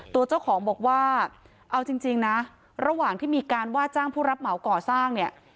ตัวเจ้าของบอกว่าเอาจริงนะระหว่างที่มีการว่าจ้างผู้รับเหมาก่อสร้างเนี่ย